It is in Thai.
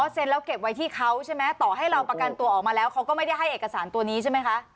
เซ็นแล้วเก็บไว้ที่เขาใช่ไหมต่อให้เราประกันตัวออกมาแล้วเขาก็ไม่ได้ให้เอกสารตัวนี้ใช่ไหมคะ